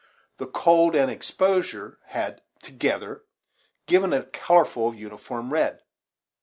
The cold and exposure had, together, given it a color of uniform red.